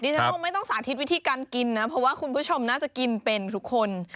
ฉันคงไม่ต้องสาธิตวิธีการกินนะเพราะว่าคุณผู้ชมน่าจะกินเป็นทุกคน